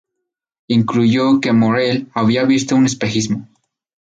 Concluyó que Morrell había visto un espejismo.